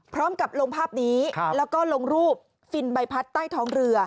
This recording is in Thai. พร้อมกับลงภาพนี้แล้วก็ลงรูปฟินใบพัดใต้ท้องเรือ